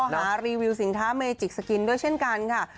หารีวิวสินค้าเมจิกสกินด้วยเช่นกันค่ะ